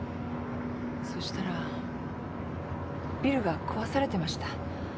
そうしたらビルが壊されてました。